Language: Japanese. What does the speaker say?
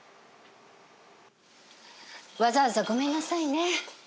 わざわざごめんなさいね。